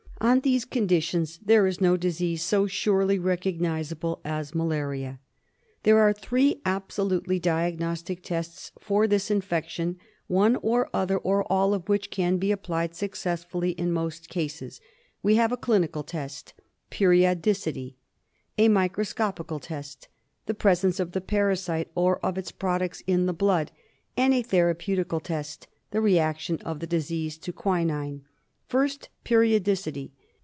On these conditions there is no disease so surely recognisable as malaria. There are three absolutely diagnostic tests for this infection, one, or other, or all of which can be applied successfully in most cases. We have a clinical test — periodicity; a microscopical test — the presence of the parasite or of its products in the blood; and a thera peutical test — the reaction of the disease to quinine. First — periodicity.